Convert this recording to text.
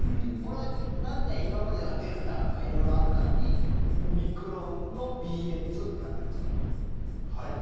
これ、なんで今まではデルタとか色々あったのにオミクロンのＢＡ．２ってなっているんですか？